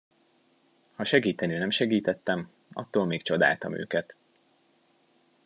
Ha segíteni nem segítettem, attól még csodáltam őket.